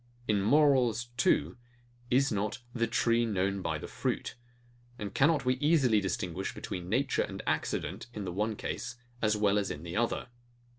In morals too, is not THE TREE KNOWN BY THE FRUIT? And cannot we easily distinguish between nature and accident, in the one case as well as in the other?